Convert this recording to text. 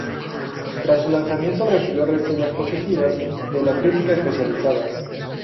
Tras su lanzamiento recibió reseñas positivas de la crítica especializada.